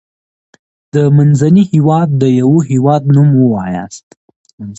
د منځني هيواد دیوه هیواد نوم ووایاست.